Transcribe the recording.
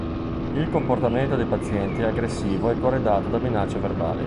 Il comportamento dei pazienti è aggressivo e corredato da minacce verbali.